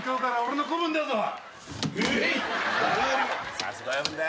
さすが親分だよ。